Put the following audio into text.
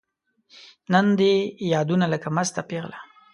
نن دي یادونو لکه مسته پیغله